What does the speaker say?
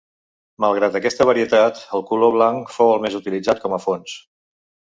Malgrat aquesta varietat, el color blanc fou el més utilitzat com a fons.